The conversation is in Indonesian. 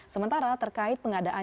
sementara terkait pengadaan jadwal